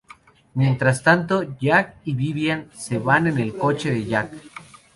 Mientras tanto, Jack y Vivian se van en el coche de Jack.